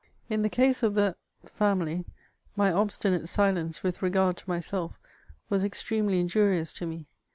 In the case of the family, my obstinate silence with regard to myself was extremely injurious to me.